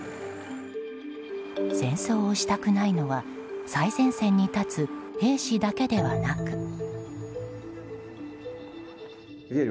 戦争をしたくないのは最前線に立つ兵士だけではなく。